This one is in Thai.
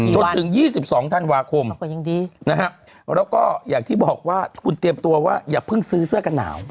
จนถึง๒๒ธันวาคมแล้วก็อย่างที่บอกว่าคุณเตรียมตัวว่าอย่าเพิ่งซื้อเสื้อกันหนาว